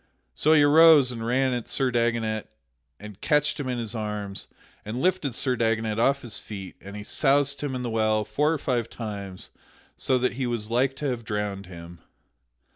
So he arose and ran at Sir Dagonet and catched him in his arms, and lifted Sir Dagonet off his feet and he soused him in the well four or five times so that he was like to have drowned him.